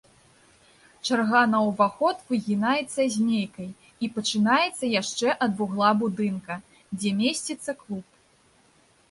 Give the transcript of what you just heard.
Чарга на ўваход выгінаецца змейкай і пачынаецца яшчэ ад вугла будынка, дзе месціцца клуб.